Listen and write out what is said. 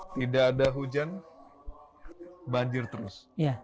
tidak ada hujan banjir terus